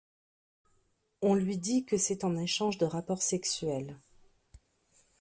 On lui dit que c'est en échange de rapports sexuels.